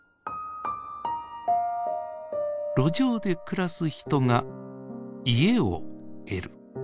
路上で暮らす人が家を得る。